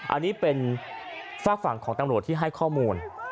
อันนี้เป็นฝากฝั่งของตำรวจที่ให้ข้อมูล